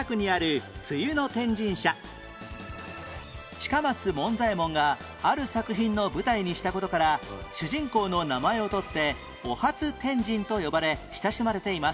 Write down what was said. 近松門左衛門がある作品の舞台にした事から主人公の名前を取ってお初天神と呼ばれ親しまれています